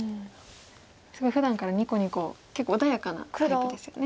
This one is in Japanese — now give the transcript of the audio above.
すごいふだんからにこにこ結構穏やかなタイプですよね。